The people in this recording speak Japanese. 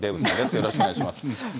よろしくお願いします。